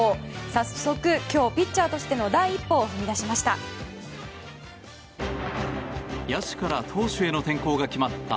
早速、今日ピッチャーとしての第一歩を踏み出しました。